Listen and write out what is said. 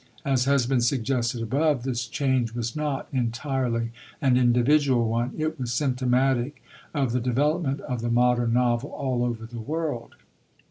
As has been suggested above, this change was not entirely an individual one; it was symptomatic of the development of the modern novel all over the world.